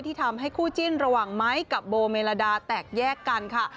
ทำให้คู่จิ้นระหว่างไม้กับโบเมลาดาแตกแยกกันค่ะ